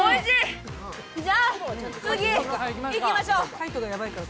じゃあ次、いきましょう。